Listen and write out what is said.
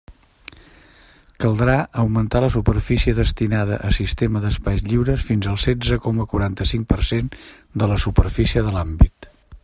Caldrà augmentar la superfície destinada a sistema d'espais lliures fins al setze coma quaranta-cinc per cent de la superfície de l'àmbit.